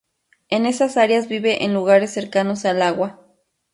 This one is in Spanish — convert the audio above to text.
En esas áreas vive en lugares cercanos al agua.